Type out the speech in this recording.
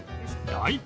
「大根？」